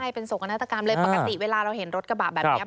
เป็นโศกนาฏกรรมเลยปกติเวลาเราเห็นรถกระบะแบบนี้